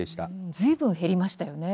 ずいぶん減りましたね。